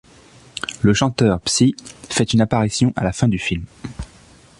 Le chanteur Psy fait une apparition à la fin du film.